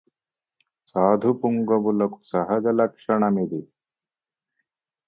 సాధుపుంగవులకు సహజలక్షణమిది